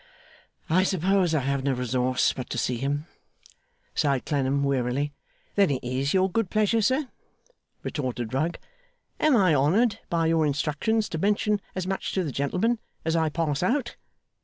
'I suppose I have no resource but to see him,' sighed Clennam, wearily. 'Then it is your good pleasure, sir?' retorted Rugg. 'Am I honoured by your instructions to mention as much to the gentleman, as I pass out?